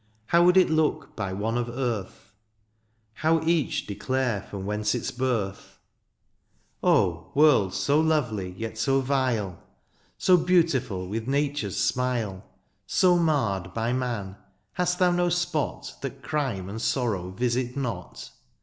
How would it look by one of earth ? How each declare from whence its birth ? Oh ! world so lovely, yet so vile. So beautiful with nature's smile. So marred by man, hast thou no spot That crime and sorrow visit not